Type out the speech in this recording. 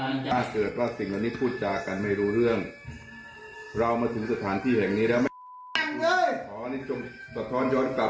ถ้าเกิดว่าสิ่งเหล่านี้พูดจากันไม่รู้เรื่องเรามาถึงสถานที่แห่งนี้แล้วไหม